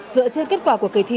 dựa trên kết quả của kỳ thi